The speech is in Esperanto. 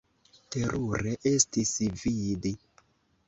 Terure estis vidi!